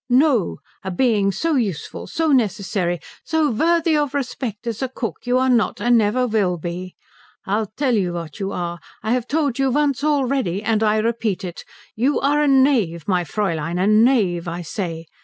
No a being so useful, so necessary, so worthy of respect as a cook you are not and never will be. I'll tell you what you are, I've told you once already, and I repeat it you are a knave, my Fräulein, a knave, I say.